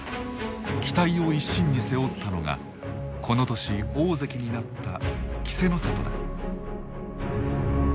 期待を一身に背負ったのがこの年大関になった稀勢の里だ。